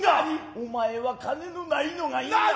お前は金のないのが因果。